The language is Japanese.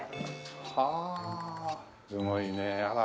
はあすごいねえあら